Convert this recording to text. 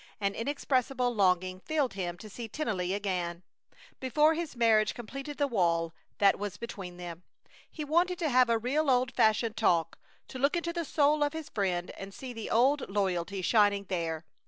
An inexpressible longing filled him to see Tennelly again, before his marriage completed the wall that was between them. He wanted to have a real old fashioned talk; to look into the soul of his friend and see the old loyalty shining there.